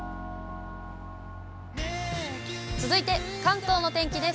続いて関東の天気です。